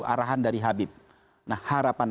arahan dari habib nah harapan